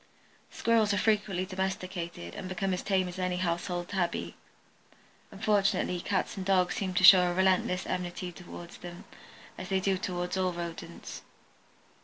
Squirrels are frequently domesticated and become as tame as any household tabby. Unfortunately Dogs and Cats seem to show a relentless enmity toward them, as they do toward all rodents.